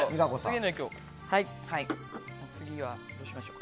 次はどうしましょうか。